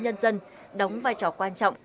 nhân dân đóng vai trò quan trọng